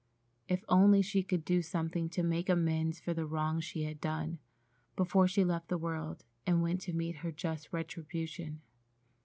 If only she could do something to make amends for the wrong she had done, before she left the world and went to meet her just retribution!